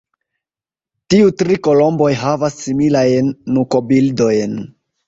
Tiu tri kolomboj havas similajn nukobildojn.